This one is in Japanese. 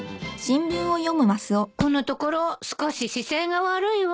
このところ少し姿勢が悪いわ。